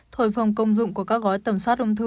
thổi phòng công dụng của các gói tầm soát ung thư